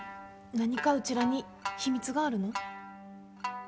何かうちらに秘密があるの？